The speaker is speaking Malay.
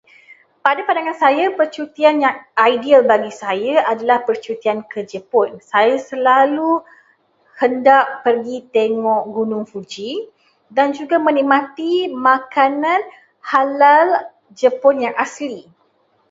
Pada pandangan saya, percutian yang ideal bagi saya adalah percutian ke Jepun. Saya selalu hendak pergi tengok Gunung Fuji dan juga menikmati makanan halal Jepun yang asli.